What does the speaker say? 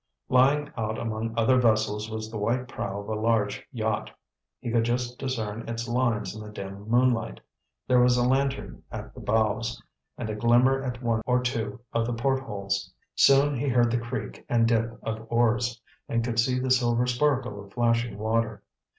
Lying out among other vessels was the white prow of a large yacht. He could just discern its lines in the dim moonlight. There was a lantern at the bows, and a glimmer at one or two of the portholes. Soon he heard the creak and dip of oars, and could see the silver sparkle of flashing water.